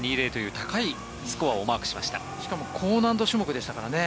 高難度種目でしたからね。